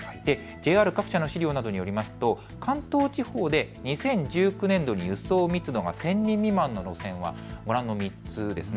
ＪＲ各社の資料などによりますと関東地方で２０１９年度に輸送密度が１０００人未満の路線はご覧の３つです。